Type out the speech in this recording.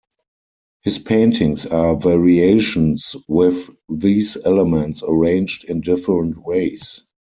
His paintings are variations with these elements arranged in different ways.